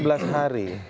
sepuluh bulan sebelas hari